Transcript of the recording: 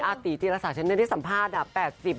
อาตีที่รักษาฉันในที่สัมภาษณ์๘๐ยันกับ๘